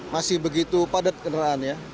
masih begitu padat kendaraannya